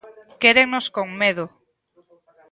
Quérennos con medo.